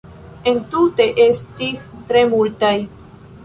Entute estis tre multaj.